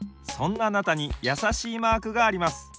そんなあなたにやさしいマークがあります。